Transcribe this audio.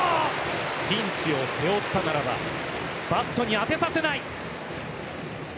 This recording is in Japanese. ピンチを背負ったならばバットに当てさせない！